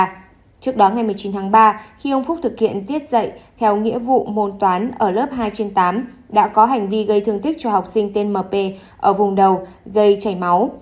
trước đó ngày một mươi chín tháng ba khi ông phúc thực hiện tiết dạy theo nghĩa vụ môn toán ở lớp hai trên tám đã có hành vi gây thương tích cho học sinh tên mp ở vùng đầu gây chảy máu